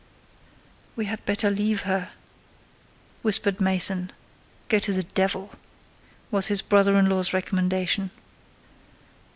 "We had better leave her," whispered Mason. "Go to the devil!" was his brother in law's recommendation.